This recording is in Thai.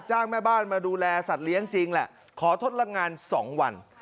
แม่บ้านมาดูแลสัตว์เลี้ยงจริงแหละขอทดลังงาน๒วัน